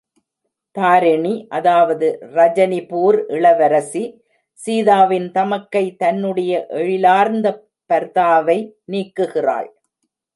தாரிணி அதாவது ரஜனிபூர் இளவரசி சீதாவின் தமக்கை தன்னுடைய எழிலார்ந்த பர்தாவை நீக்குகிறாள்!